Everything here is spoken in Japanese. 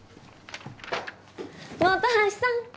本橋さん。